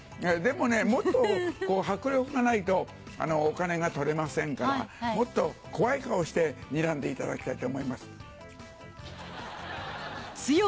でもねもっと迫力がないとお金が取れませんからもっと怖い顔をしてにらんでいただきたいと思います。